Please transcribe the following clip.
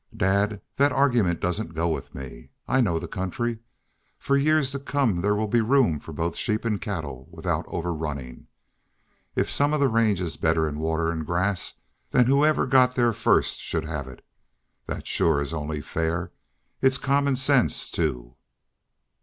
"Dad, that argument doesn't go with me. I know the country. For years to come there will be room for both sheep and cattle without overrunnin'. If some of the range is better in water and grass, then whoever got there first should have it. That shore is only fair. It's common sense, too."